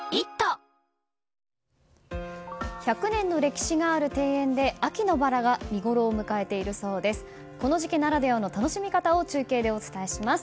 １００年の歴史がある庭園で秋のバラが見ごろを迎えているそうです。